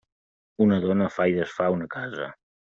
Una dona fa i desfà una casa.